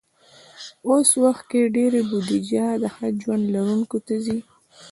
په اوس وخت کې ډېری بودیجه د ښه ژوند لرونکو ته ځي.